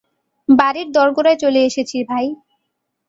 বাড়ির দোরগোড়ায় চলে এসেছি, ভাই।